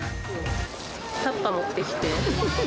タッパー持ってきて。